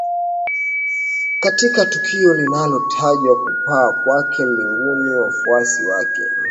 katika tukio linalotajwa kupaa kwake mbinguni wafuasi wake